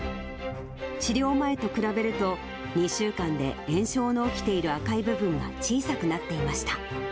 治療前と比べると２週間で炎症の起きている赤い部分が小さくなっていました。